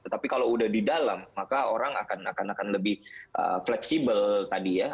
tapi kalau udah di dalam maka orang akan lebih fleksibel tadi ya